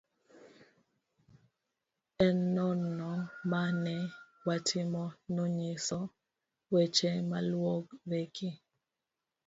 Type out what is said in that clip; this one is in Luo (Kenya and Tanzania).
e Nonro ma ne watimo nonyiso weche maluwegi